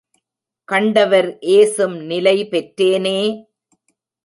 கண்டவர் ஏசும் நிலைபெற்றேனே!